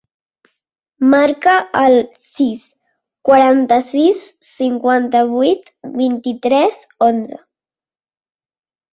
Marca el sis, quaranta-sis, cinquanta-vuit, vint-i-tres, onze.